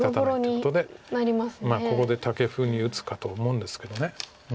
ここでタケフに打つかと思うんですけど。